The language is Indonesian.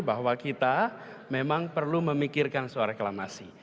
bahwa kita memang perlu memikirkan soal reklamasi